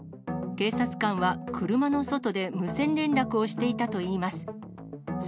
警察官は車の外で無線連絡をしていたといいます。